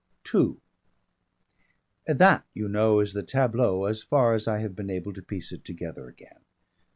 II That, you know, is the tableau so far as I have been able to piece it together again.